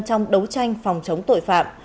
trong đấu tranh phòng chống tội phạm